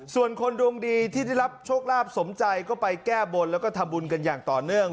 ส่วนคนดวงดีที่ได้รับโชคลาภสมใจก็ไปแก้บนแล้วก็ทำบุญกันอย่างต่อเนื่อง